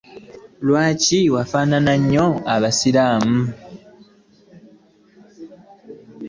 Lwaki wafaanana nnyo abasiraamu?